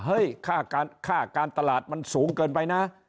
ค่าการตลาดมันสูงเกินไปนะ